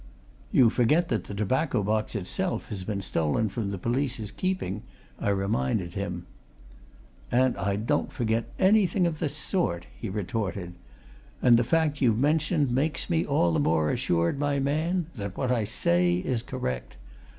"You forget that the tobacco box itself has been stolen from the police's keeping," I reminded him. "And I don't forget anything of the sort," he retorted. "And the fact you've mentioned makes me all the more assured, my man, that what I say is correct!